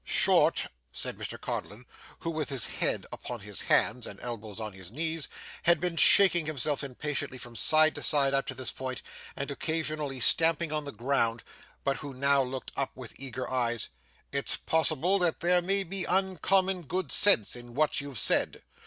'Short,' said Mr Codlin, who with his head upon his hands, and his elbows on his knees, had been shaking himself impatiently from side to side up to this point and occasionally stamping on the ground, but who now looked up with eager eyes; 'it's possible that there may be uncommon good sense in what you've said.